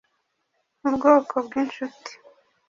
ubwoko bw'inshuti